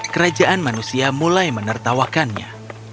kerajaan manusia mulai menertawakannya